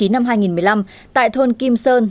năm hai nghìn một mươi năm tại thôn kim sơn